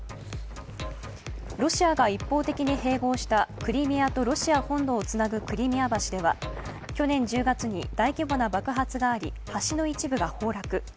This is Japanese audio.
ロシアが一方的に併合したクリミアとロシア本土をつなぐクリミア橋では去年１０月に大規模な爆発があり橋の一部が崩落。